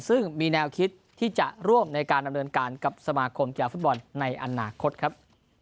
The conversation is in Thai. ซึ่งมีแนวคิดที่จะร่วมในการดำเนินการกับสมาคมกีฬาฟุตบอลในอนาคตครับ